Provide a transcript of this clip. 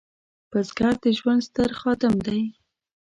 بزګر د ژوند ستر خادم دی